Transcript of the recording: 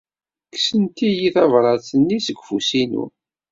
Kksent-iyi tabṛat-nni seg ufus-inu.